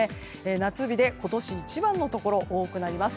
夏日で今年一番のところ多くなります。